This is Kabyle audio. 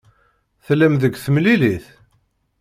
Tellam deg temlilit?